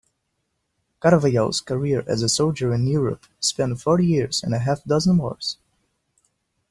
Carvajal's career as a soldier in Europe spanned forty years and a half-dozen wars.